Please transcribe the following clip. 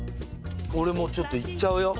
俺もうちょっといっちゃうよ